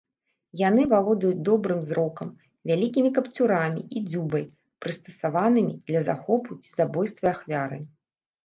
Яны валодаюць добрым зрокам, вялікімі кіпцюрамі і дзюбай, прыстасаванымі для захопу ці забойства ахвяры.